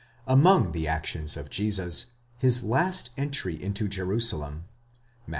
Among the actions of Jesus, his last entry into Jerusalem (Matt.